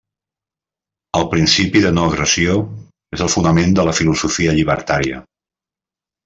El principi de no-agressió és el fonament de la filosofia llibertària.